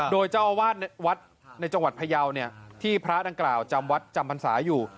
โดยเจ้าอาวาสวัดในจังหวัดพยาวที่พระดังกล่าวจำวัดจำพรรษาอยู่